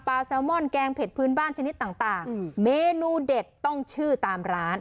แซลมอนแกงเผ็ดพื้นบ้านชนิดต่างเมนูเด็ดต้องชื่อตามร้าน